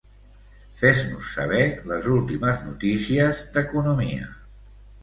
Fes-nos saber les últimes notícies d'economia.